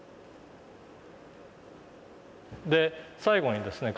で最後にですね